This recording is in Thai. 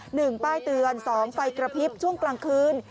หนึ่งป้ายเตือนสองไฟกระพริบช่วงกลางคืน